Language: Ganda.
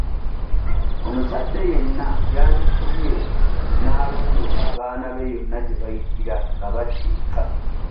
Omuzadde yenna yandifubye n'alondoola abaana be yonna gye bayitira nga badda eka.